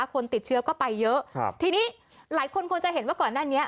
คนติดเชื้อก็ไปเยอะครับทีนี้หลายคนคงจะเห็นว่าก่อนหน้านี้